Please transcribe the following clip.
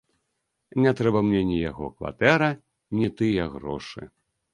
Не трэба мне ні яго кватэра, ні тыя грошы.